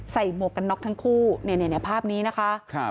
หมวกกันน็อกทั้งคู่เนี่ยภาพนี้นะคะ